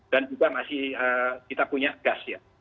dan juga masih kita punya gas ya